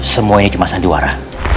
semua ini cuma sandiwara